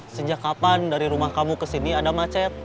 sejak kapan dari rumah kamu ke sini ada macet